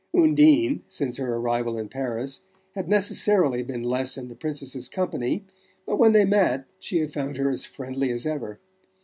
Undine, since her arrival in Paris, had necessarily been less in the Princess's company, but when they met she had found her as friendly as ever.